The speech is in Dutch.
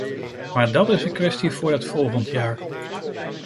Maar dat is een kwestie voor het volgende jaar.